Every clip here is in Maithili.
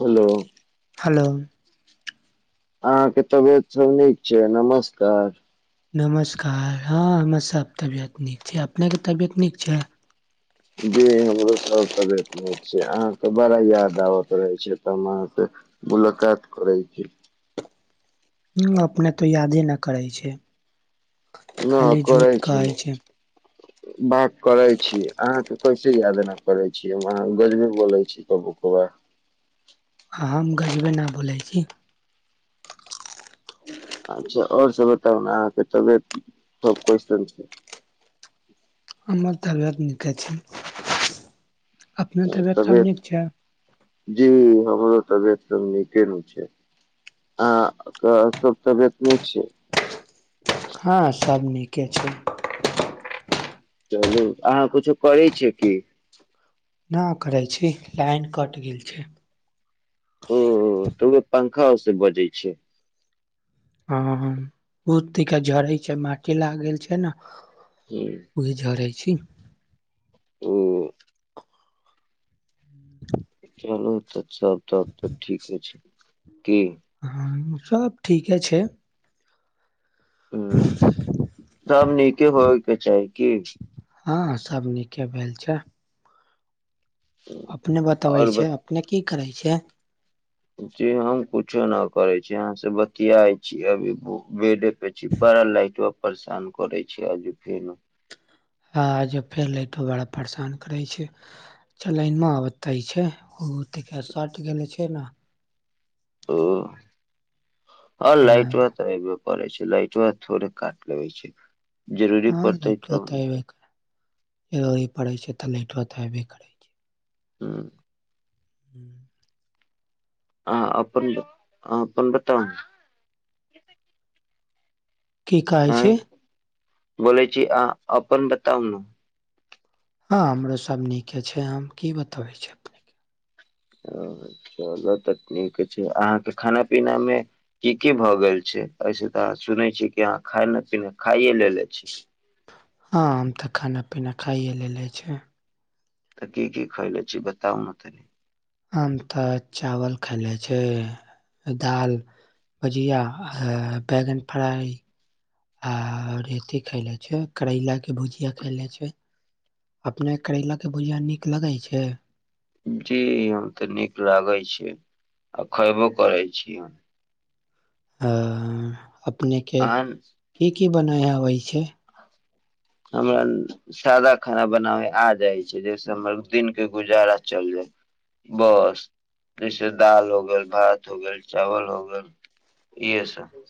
हेलो। हेलो। अहाँके तबियत सब नीक छै नमस्कार। नमस्कार हांँ हमर सब तबियत नीक छै अपने के तबियत नीक छै। जी हमरो सब तबियत नीक छै। अहाँके बड़ा याद आबत रहै छै, तऽ हम अहाँसे मुलाकात करै छी। ह्म, अपने तऽ यादे ना करै छै। न खाली करै झूठ छै कहै ने। बात करै छी अहाँके कैसे यादना करै छी हम अहाँ गजबी बोलै छी कबू कबार। हम गजेबे न बोलै छी अच्छा आओर सब बताउ ने अहाँके तबियत सब केशन छै हमर तबियत नीक छै। अपने सब तबियत जी हमरो तबियत त नीके न छै आत सब तबियत नहि छै। हँ सब नीके छै। चलू अहाँ कीछो करै छियै की। ना करै छी लाइन कट गेल छै। ओ तो ग्प खाव से बजै छै। हँ बहुत झड़ै छै माटी लाग गेल छै ने हुं ओ झड़ै छै। तीन। ओ। चलो तऽ ताप ताप तऽ ठीके छै [inaudible] ह। [inaudible] सब ठीके छै। हँ। सब नीके होवे के चाही की। हँ सब नीके भेल छै। अपने बतबै और छय ब अपने की करै छै। जी हम कुछो न करै छी यहाँ से बतिया छी अभी बेड पराल राही छि। परेशान करै छै आजु फेर आ जब फेर लाइट बड़ा परेशान करै छै चलनते छै ओत सर्ट गेले छै ने ओ। हँ लाट ब हां त पड़े छै लाइट आ थड़े काट ले होै छै। जरूरी पड़तै ह तब जररी पड़ैत छै तऽ लट तऽ हयबे करै छै। हँ। हू। आहा अपन बताऊ। की कहै छै। बोलै छी आ अपन बताउ न। हँ हमरो सब नीके छै हम की बताबै छी अपने के ह चलो तऽ ठीक छै अहाँके खाना पीनामे की की भऽ गेल छै ऐसे तऽ अह सुनै छिय कि अहाँ खाना पीना खाइए लेलने छी। हँ हम तऽ खान पीना खाइए लै ले छी। त की की खैल छी बताउ न तनी। आम त चावल खाय ले छै दाल भुजिया बैगन फ्राइ आ रेती खाय ले छै करैलाके भुजिया खाय ले छै अपने करैलाके भुजिया नीक लगैत छै। जी हम तऽ नीक लागै छै आ खयबो करै छी हम। आ। अपने के अहाँ की की बनाय अबै छै। हमरा सादा खाना बनाबै आ जाइ छै जहिसे हमर दिनके गुजारा चल जाय बस जैसे दाल हो गेल भात हो गेल चावल हो गेल इह सब।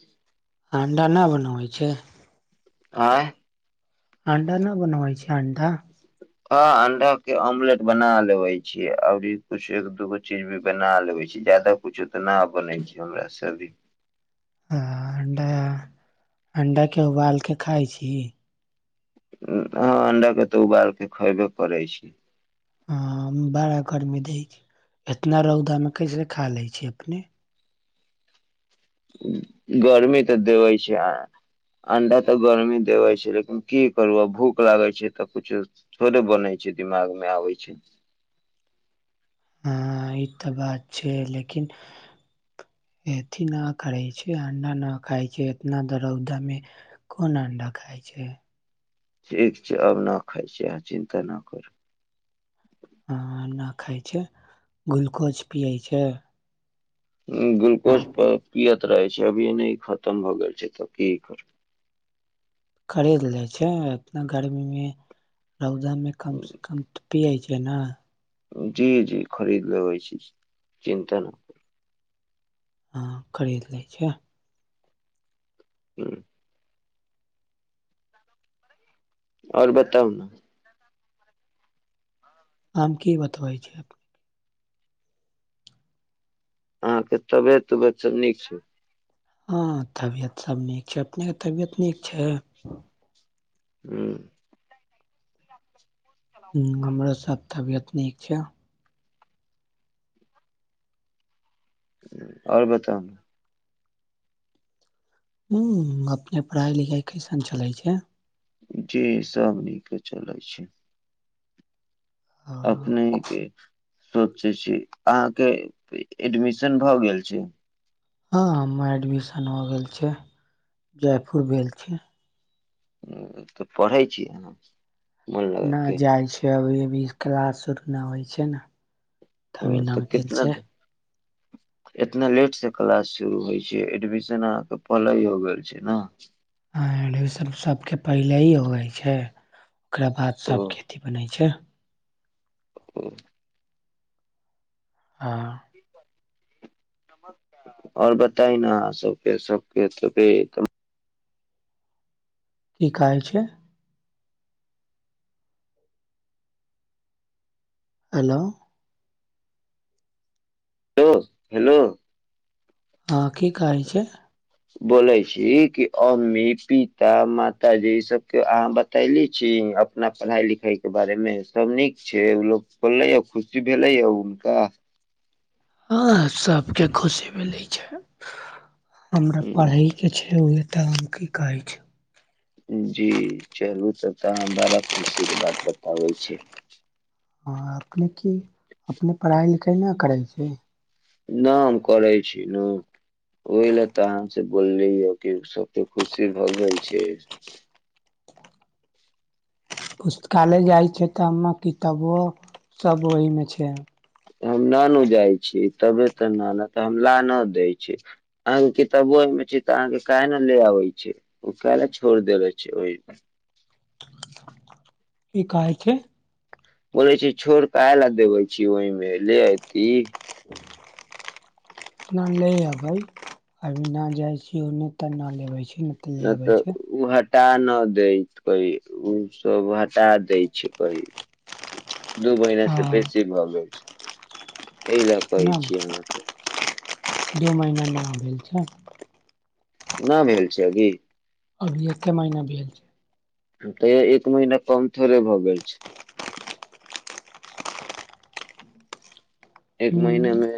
अं्डा न बनाबै छै। आँ अं्डा न बनवइ छै अं्डा। हँ अंडा के ऑमलेट बना लेबे छीयै आओर कुछु एक दूगो चीज भी बना लेबे छी जदाा कुछो तऽ न बनै छै हमरा सब अभी। ह अंडा अंडाके उबाल क खाइ छी। ह अंडा के तऽ उबालके खयबे करै छी। हँ बड़ा गरमी दै छै इतना रौदामे कैसे खा लै छी अपने। गर्मी तऽ देबे छै अंडा तऽ गर्मी देबे छै लेकिन की करू भूख लागै छै तऽ कछो थोड़े बनै छै दिमागमे आबै छै। हँ ई त बात छै लेकिन अथी न करै छै अंडा न खाय छै इतना दरौदा मे कोन अंडा खाय छै। ठीक छै आब न खाइ छी अहाँ चिन्ता न करू। हँ नहि खाइ छै ग्लूकोज पियै छै। ग्लूकोज पर कियत रहा छै अभी नहि खतम भऽ गेल छै तऽ की करब खरीद जाइ छै इतना गर्मी मे। रौदा में कम से कम पिये छै। केना जी जी खरीद लेबै छी चिन्ता न कर। हँ खरीद ले छै। ह्म। आओर बताउ ने आम की बतबइ छै। अहाँके तबियत उबियत सब नीक छै। हँ तबियत सब नीक छै अपनेके तबियत नीक छै। हू। ह हमरो साथ तबियत नीक छै। आओर बताउ ह अपने पढ़ाइ लिखाइ कैसन चलै छै। जी सब नीके चलै छै। हँ अपनेके सोचै छी अहाँके एडमिशन भ गेल छै। हँ हममे एडमिशन हो गेल छै जयपुर भेल छी। ओ त पढ़ै छियै नहि जाइ छ अभी अभी क्लास शुरू नहि होइ छै। तभी ओ नाम तऽ खेल कितना छै। [inaudible] इतना लेट से क्लास शुरू होइ छै एडमिशन अहाँके पहिले ही हो गेल छै न। ह एडमिशन सभके पहिले ही होइ छै। ओकरा बाद ओ सभकेती बनै छै। ओ।। हँ। और बताई न आहा सबके -सबके त की कहै छै। हेलो। Hello hello. हँ की कहै छै। बोले छी कि अम्मी पिता मातााजी ई सबके अहाँ बतैली छी अपना पढ़ाई लिखाई के बारे मे सब नीक छै ओ लोग बोलले य खुशी भेले य हुनका। हँ सबके खुशी मिलै छै। हमरा पढ़ई के छै। एक मुखी कहज [inaudible] जी चलू तथा हम हमरा खुुशि के बात बताबै छै। हँ अपने की अपने पढ़ाइ लिखाइ नहि करै छै। नाम करै छी न ओहि ल तहन से बोलली ह कि सबके खुशी भगै छै। पुस्तकालय जाइ छै तऽमे किताबो सभ ओहीमे छै। हम न ने जाइ छी तबे तऽ न तऽ हम ला न दै छी अहके कितबो ओहिमे छी तऽ अहाँके काह ने ले आबै छै ओ काह ले छोड़ देेले छै ओहिमे। की कहे छै। बोलै छी छोर काह ल देबै छी ओहिमे ले अती। ले अबे अभी न जाय छीने त लेे छै। नहि त उह हटा न दै छैै ओ सब हटा दै छै कई दू महिना हँ से बेसी भऽ गेल छै। [inaudible] एहि लए कहै छियै अहाँके। जे महीनामे भेल छ। न म हेल छै अभी। अभी एके महिना भेलल छै। तैयो एक महीना कम थोड़े भऽ गेल छै। एक महिने हूँ अमे।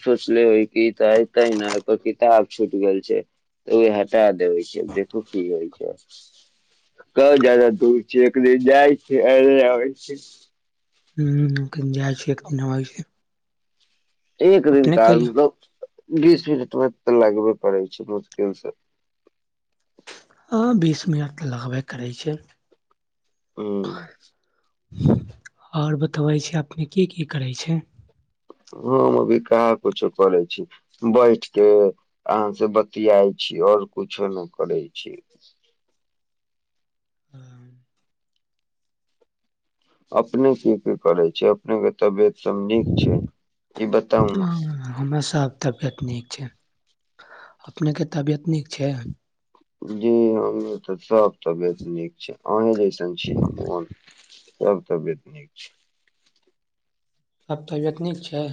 सोचले हो कि तऽ एते ने एकर किताब छूटि गेल छै तऽ ओ हटा देबे छै देखू की होइ छै क जादा दूर छै एकिन जाइ छैब छै। हू। क जाइ छैख दिनै छै। एक दिन काल मतलब बीस मिनटमे लगबे पड़ै छै मुश्किल से हँ बीस मिनट तऽ लगबे करै छै। हँ। और बतबै छी अपने की की करै छै। हम अभी कहा कुछो करै छी बैठ के अहाँ से बतियाइ छी और कुछो नय करै छी। हँ, अपने की की करै छै अपनेके तबियत सब नीक छै। ई बताउ न ह हमरा सब तबियत नीक छै अपने के तबियत नीक छै। जी हम तऽ सभ तबियत नीक छै अहीँ जैसन छी हमूँ आ सभ तबियत नीक छै। सब तबियत नीक छै।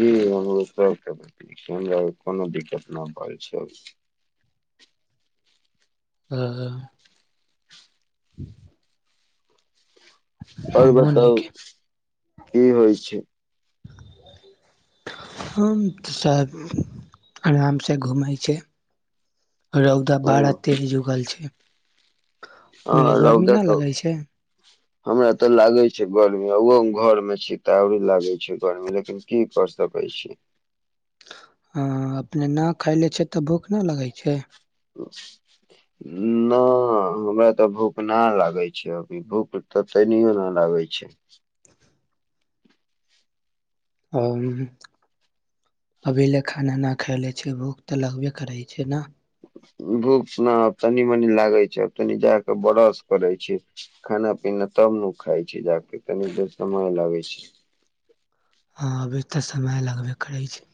जी हमो सबके ब हमरा कोनो दिक्कत नहि प छै। ह। ह। आओर बताउ नीक की होइ छै। हम तऽ सभ आरामसँ घूमै छी। रौदा ओ बारा तेर जुगल छै। अपने हँ लौद गर्मी न त। लगै छै हमरा तऽ लागै छै गर्मी ओहो हम घरमे छी तऽ आओरी लागै छै गर्मी लेकिन की कर सकै छी। हँ अपने न खाय ले छ तऽ भूख न लगै छै। नहि हमरा तऽ भूख नहि लागै छै अभी भूख तऽ तनिो नहि लागै छै। अभी ले खाना नहि ख ले छै भूख त लगबे करै छै ने। भूख न तनी मनी लागै छै आब तनी जााक ब्रश करै छी खाना पीना तब ने खााय छै जााक तनी देर समय लागै छै। हँ अभी तऽ समय लगबे करै छै।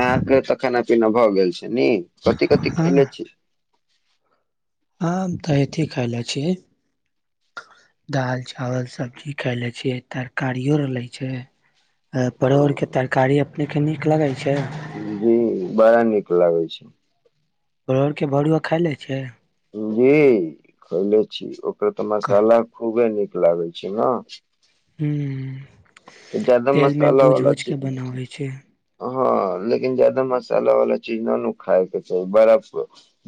ह आ तखन भऽ गेल छै न कथि कथि खैल छी। ह तऽ अथि खाय ले छियै दालि चावल सबजी खाय ले छियै तरकारिओर लै छै। परोड़ के तरकारी देख के नीक लगे छै। जी बारा निकला होै छै। परोरके भरुआ खा लै छै। जी खैले छी। त तऽ मसाला खुबे न लागै छै ने। हू। तऽ जादा तेलमे मसाला भूज वाला भूज चीज क बनाबैत छी। हँ लेकिन जादा मसाला वाला चीज न ने खााय के चाही बड़ा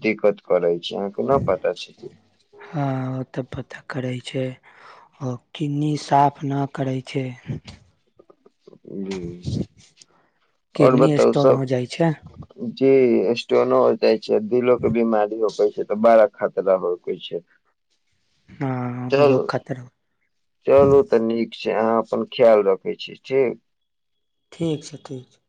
दिक्कत करे कोनो पताा छै कि। हँ ओ तऽ पता करै छै आओ कन्नी साफ नहि करै छै। जी आओर किडनी बताउ स्टोन सब हो जाय छै जे एटोनो होत से दी लोको के बीमारी हो पै छै त बारा खातरा होइ कोइ छै हँ चलू उहो खतरा चलू त नीक छै से अहाँ अपन ख्याल रखै छी ठीक। ठीक छै ठीक छै।